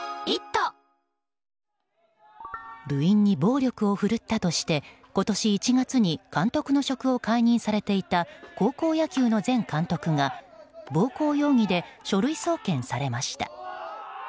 部員に暴力をふるったとして今年１月に監督の職を解任されていた高校野球の前監督が暴行容疑で書類送検されました。